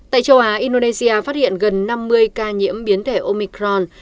tại châu á indonesia phát hiện gần năm mươi ca nhiễm biến thể omicron